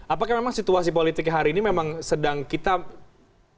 apakah memang situasi politik hari ini memang sedang kita terancam dengan itu